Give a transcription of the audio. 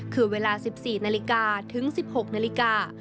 คือเวลา๑๔นาฬิกาถึง๑๖นาฬิกา